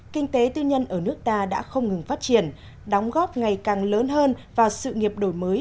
kinh tế tư nhân ở nước ta đã không ngừng phát triển đóng góp ngày càng lớn hơn vào sự nghiệp đổi mới